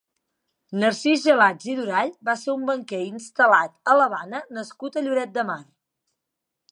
Narcís Gelats i Durall va ser un banquer instal·lat a l'Havana nascut a Lloret de Mar.